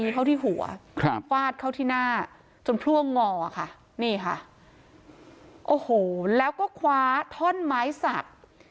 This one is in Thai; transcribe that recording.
เข้าที่หัวฟาดเข้าที่หน้าจนพ่วงงอค่ะนี่ค่ะโอ้โหแล้วก็คว้าท่อนไม้สัก